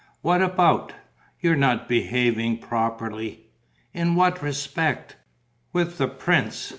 "What about?" "You're not behaving properly." "In what respect?" "With the prince.